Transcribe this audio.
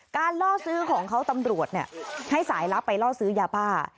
ล่อซื้อของเขาตำรวจให้สายลับไปล่อซื้อยาบ้า